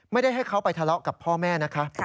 ไม่ได้ให้เขาไปทะเลาะกับพ่อแม่นะคะ